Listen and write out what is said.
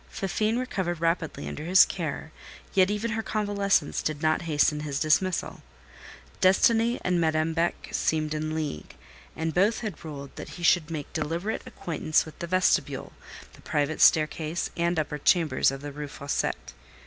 Fifine recovered rapidly under his care, yet even her convalescence did not hasten his dismissal. Destiny and Madame Beck seemed in league, and both had ruled that he should make deliberate acquaintance with the vestibule, the private staircase and upper chambers of the Rue Fossette.